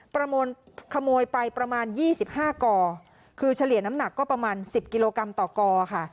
ประโมนขโมยไปประมาณยี่สิบห้าก่อคือเฉลี่ยน้ำหนักก็ประมาณสิบกิโลกรัมต่อก่อค่ะ